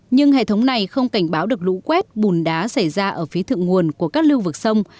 nhưng hệ thống này không cảnh báo được lũ quét bùn đá xảy ra ở phía thượng nguồn của các lưu vực sông